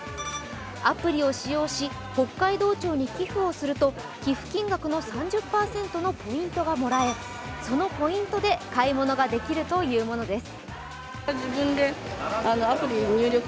アプリを使用し、北海道庁に寄付をすると寄付金額の３０％のポイントがもらえそのポイントで買い物ができるというものです。